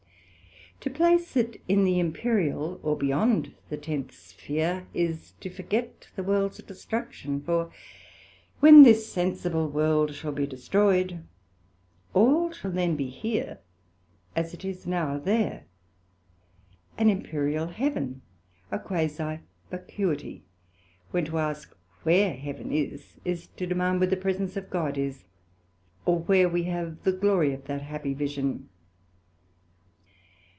To place it in the Empyreal, or beyond the tenth sphear, is to forget the world's destruction; for when this sensible world shall be destroyed, all shall then be here as it is now there, an Empyreal Heaven, a quasi vacuity; when to ask where Heaven is, is to demand where the Presence of God is, or where we have the glory of that happy vision.